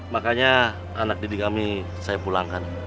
makanya anak didik kami saya pulangkan